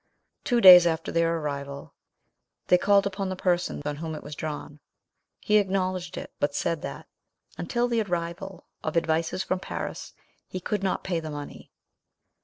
Two days after their arrival they called upon the person on whom it was drawn. He acknowledged it, but said that, until the arrival of advices from Paris, he could not pay the money.